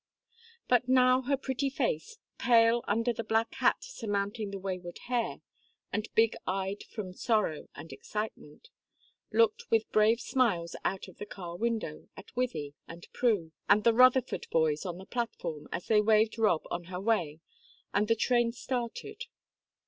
But now her pretty face, pale under the black hat surmounting the wayward hair, and big eyed from sorrow and excitement, looked with brave smiles out of the car window at Wythie and Prue and the Rutherford boys on the platform as they waved Rob on her way, and the train started.